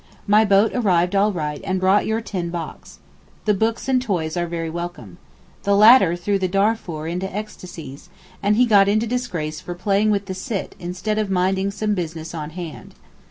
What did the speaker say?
My boat arrived all right and brought your tin box. The books and toys are very welcome. The latter threw little Darfour into ecstasies, and he got into disgrace for 'playing with the Sitt' instead of minding some business on hand.